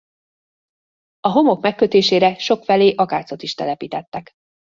A homok megkötésére sokfelé akácot is telepítettek.